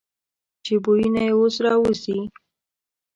چې بویونه یې اوس را وځي.